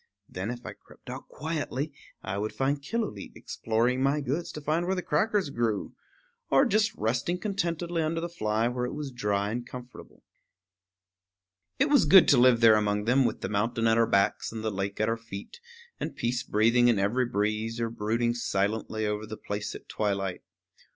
Then, if I crept out quietly, I would find Killooleet exploring my goods to find where the crackers grew, or just resting contentedly under the fly where it was dry and comfortable. It was good to live there among them, with the mountain at our backs and the lake at our feet, and peace breathing in every breeze or brooding silently over the place at twilight.